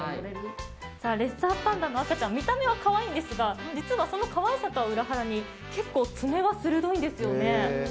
レッサーパンダの赤ちゃん、見た目はかわいいんですが実はそのかわいさとは裏腹に結構爪は鋭いんですよね。